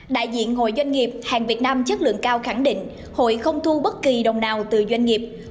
đại diện hội doanh nghiệp hàng việt nam chất lượng cao khẳng định hội không thu bất kỳ đồng nào từ doanh nghiệp